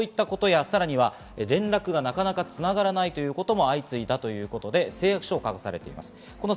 さらには連絡がなかなか繋がらないということも相次いだということで誓約書を交わされています。